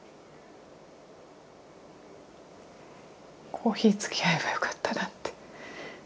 コーヒーつきあえばよかったなって。